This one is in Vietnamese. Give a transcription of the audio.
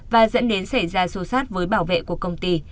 và dẫn đến xảy ra xô xát với bảo vệ của công ty